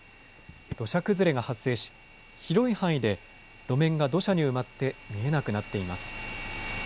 土砂崩れが発生し、広い範囲で路面が土砂に埋まって見えなくなっています。